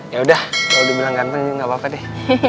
ya udah udah bilang ganteng nggak papa deh